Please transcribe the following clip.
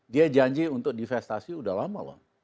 dia janji untuk divestasi udah lama loh